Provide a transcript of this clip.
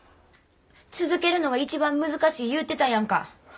続けるのが一番難しい言うてたやんか。